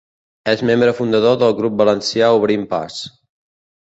És membre fundador del grup valencià Obrint Pas.